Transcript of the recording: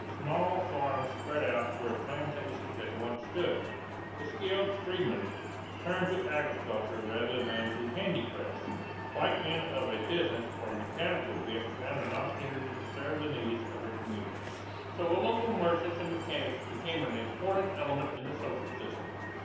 Small farms spread out where plantations had once stood. The skilled freedmen turned to agriculture rather than to handicrafts; white men of a business or mechanical bent found an opportunity to serve the needs of their communities. So local merchants and mechanics became an important element in the social system.